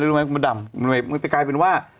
รู้ไหมคุณพระดำมันจะกลายเป็นว่า